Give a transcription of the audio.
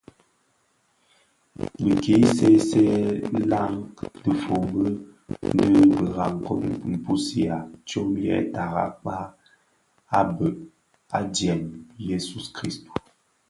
Bi ki seesee nlaň dhifombi di birakong kpusigha tsom yè tara kpag a bhëg dièm i Yesu Kristu,